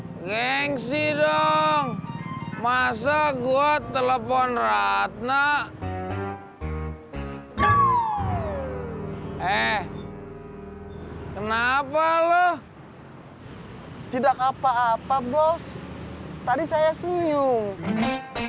bos gengsi dong masa gua telepon ratna eh kenapa lo tidak apa apa bos tadi saya senyum